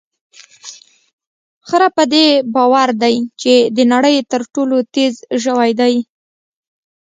خره په دې باور دی چې د نړۍ تر ټولو تېز ژوی دی.